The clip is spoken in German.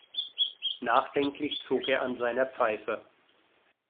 Nachdenklich zog er an seiner Pfeife.